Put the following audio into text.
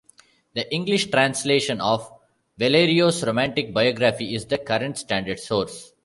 The English translation of Valerio's romantic biography is the current standard source.